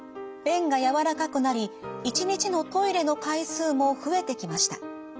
便が軟らかくなり一日のトイレの回数も増えてきました。